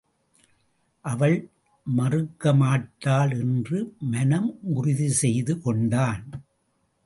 அவள் மறுக்க மாட்டாள் என்று மனம் உறுதி செய்து கொண்டான்.